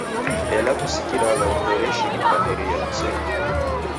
Ela kuskiragha w'uhoreshi kukameria kuseka.